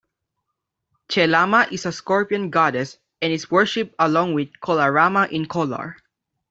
Chelamma is a Scorpion goddess and is worshipped along with Kolaramma in Kolar.